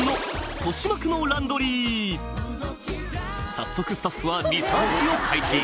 早速スタッフはリサーチを開始